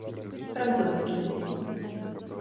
Francouzský.